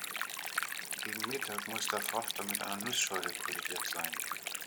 Gegen Mittag muss der Frachter mit einer Nussschale kollidiert sein.